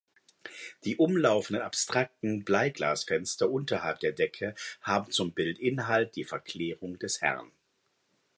Die umlaufenden abstrakten Bleiglasfenster unterhalb der Decke haben zum Bildinhalt die Verklärung des Herrn.